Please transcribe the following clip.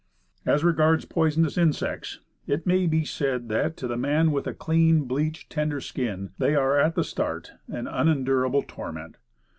As regards poisonous insects, it may be said that, to the man with clean, bleached, tender skin, they are, at the start, an unendurable torment.